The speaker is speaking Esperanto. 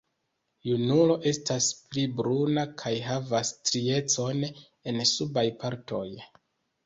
Junulo estas pli bruna kaj havas striecon en subaj partoj.